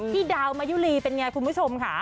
ดาวมายุรีเป็นไงคุณผู้ชมค่ะ